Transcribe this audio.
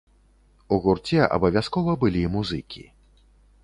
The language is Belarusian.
У гурце абавязкова былі музыкі.